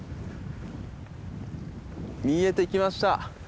見えてきました。